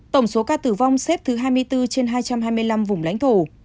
tổng số ca tử vong xếp thứ hai mươi bốn trên hai trăm hai mươi năm vùng lãnh thổ